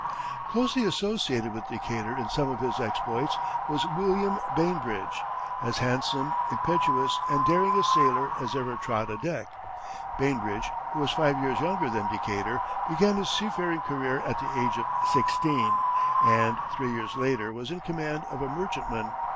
Closely associated with Decatur in some of his exploits was William Bainbridge, as handsome, impetuous and daring a sailor as ever trod a deck. Bainbridge, who was five years younger than Decatur, began his seafaring career at the age of sixteen, and three years later was in command of a merchantman.